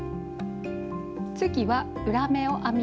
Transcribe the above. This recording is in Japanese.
次は裏目を編みます。